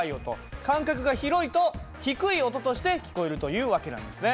間隔が広いと低い音として聞こえるという訳なんですね。